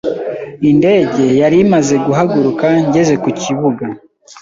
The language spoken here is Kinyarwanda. Indege yari imaze guhaguruka ngeze ku kibuga.